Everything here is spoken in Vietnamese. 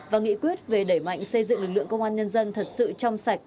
và nghị quyết về đẩy mạnh xây dựng lực lượng công an nhân dân thật sự trong sạch